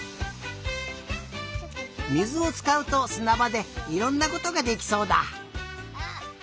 水をつかうとすなばでいろんなことができそうだ。